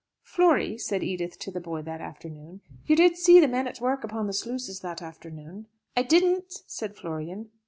"Flory," said Edith to the boy that afternoon, "you did see the men at work upon the sluices that afternoon?" "I didn't," said Florian.